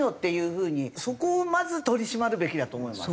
そこをまず取り締まるべきだと思います。